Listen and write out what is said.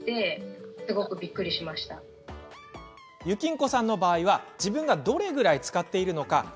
ゆきんこさんの場合は自分がどれぐらい使っているのか